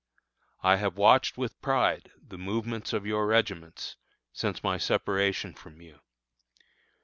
I have watched with pride the movements of your regiments since my separation from you.